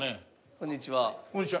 こんにちは。